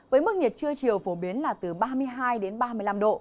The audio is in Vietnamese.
với mức nhiệt trưa chiều phổ biến là từ ba mươi hai đến ba mươi năm độ